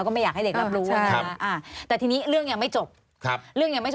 ก็ไม่อยากให้เด็กรับรู้นะ